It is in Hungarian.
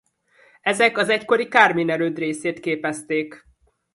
Ezek az egykori Carmine erőd részeit képezték.